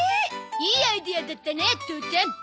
いいアイデアだったね父ちゃん！